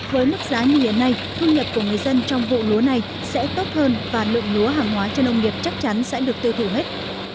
với mức giá như hiện nay thu nhập của người dân trong vụ lúa này sẽ tốt hơn và lượng lúa hàng hóa cho nông nghiệp chắc chắn sẽ được tiêu thủ hết